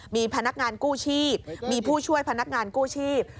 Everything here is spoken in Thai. มีพนักงานกู้ชีพมีผู้ช่วยพนักงานกู้ชีพ